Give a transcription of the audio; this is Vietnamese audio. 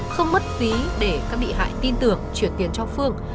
không mất phí để các bị hại tin tưởng chuyển tiền cho phương